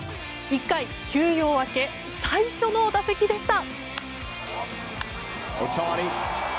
１回、休養明け最初の打席でした。